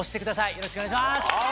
よろしくお願いします！